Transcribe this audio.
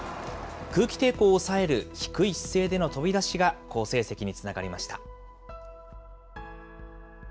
空気抵抗を抑える低い姿勢での飛び出しが、好成績につながりました。